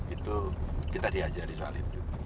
itu kita diajari soal itu